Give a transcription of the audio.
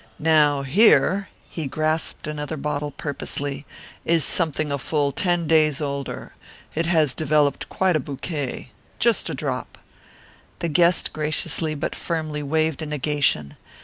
Now here" He grasped another bottle purposely "is something a full ten days older. It has developed quite a bouquet. Just a drop " The guest graciously yet firmly waved a negation.